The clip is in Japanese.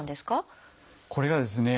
これがですね